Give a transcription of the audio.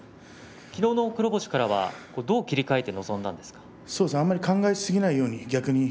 きのうの黒星から切り替えて臨んだんですか。